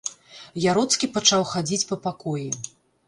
Яроцкі пачаў хадзіць па пакоі.